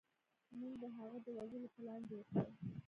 موږ د هغه د وژلو پلان جوړ کړ.